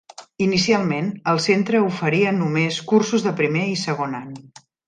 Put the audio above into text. Inicialment, el Centre oferia només cursos de primer i segon any.